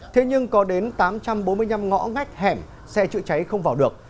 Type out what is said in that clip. thế nhưng có đến tám trăm bốn mươi năm ngõ ngách hẻm xe chữa cháy không vào được